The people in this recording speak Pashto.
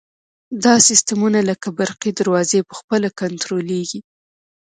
دا سیسټمونه لکه برقي دروازې په خپله کنټرولیږي.